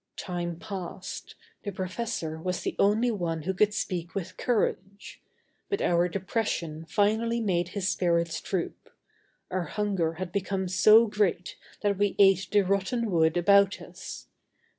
Time passed. The professor was the only one who could speak with courage. But our depression finally made his spirits droop. Our hunger had become so great that we ate the rotten wood about us.